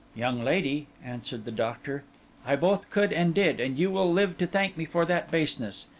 'Young lady,' answered the doctor, 'I both could and did; and you will live to thank me for that baseness.